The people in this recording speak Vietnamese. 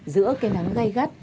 giữa cái nắng gai gắt